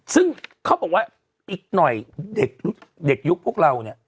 ซึ่งเขาบอกว่าอีกหน่อยเด็กยุคพวกเราเนี่ย